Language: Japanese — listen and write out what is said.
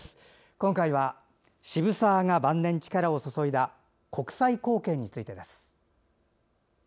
今回は渋沢が晩年、力を注いだ国際貢献についてです。